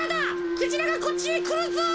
クジラがこっちへくるぞ！